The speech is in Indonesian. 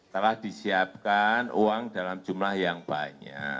telah disiapkan uang dalam jumlah yang banyak